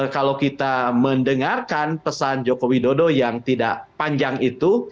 kalau kita mendengarkan pesan joko widodo yang tidak panjang itu